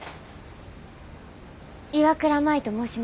岩倉舞と申します。